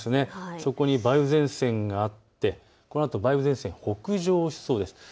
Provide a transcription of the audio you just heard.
そこに梅雨前線があってこのあと梅雨前線、北上しそうです。